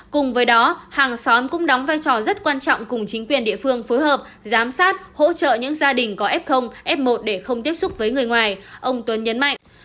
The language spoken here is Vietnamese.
cùng với đó hàng xóm cũng đóng vai trò rất quan trọng cùng chính quyền địa phương phối hợp giám sát hỗ trợ những gia đình có f f một để không tiếp xúc với người ngoài ông tuấn nhấn mạnh